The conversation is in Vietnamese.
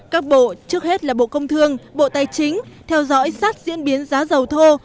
các bộ trước hết là bộ công thương bộ tài chính theo dõi sát diễn biến giá dầu thô